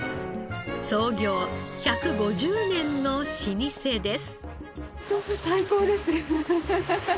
創業１５０年の老舗です。